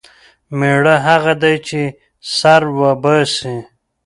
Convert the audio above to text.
مېړه هغه دی چې سر وباسي.